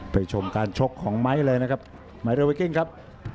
ไปชมการชกของไมค์เลยนะครับไมค์เริ่มไปกินครับ